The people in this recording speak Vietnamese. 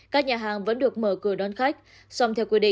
các nhà hàng vẫn được mở cửa đón khách